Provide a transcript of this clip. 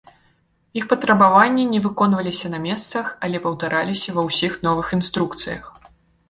Іх патрабаванні не выконваліся на месцах, але паўтараліся ва ўсіх новых інструкцыях.